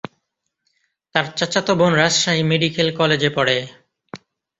তার চাচাতো বোন রাজশাহী মেডিকেল কলেজে পড়ে।